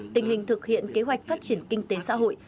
tình hình thực hiện kế hoạch phát triển kinh tế xã hội